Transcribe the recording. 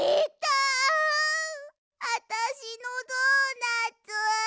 あたしのドーナツ。